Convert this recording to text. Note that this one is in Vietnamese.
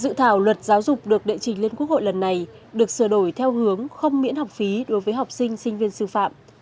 dự thảo luật giáo dục được đệ trình lên quốc hội lần này được sửa đổi theo hướng không miễn học phí đối với học sinh sinh viên sư phạm